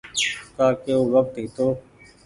ڪآ ڪي او وکت هيتو۔